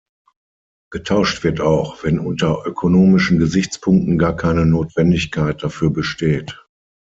Getauscht wird auch, wenn unter ökonomischen Gesichtspunkten gar keine Notwendigkeit dafür besteht.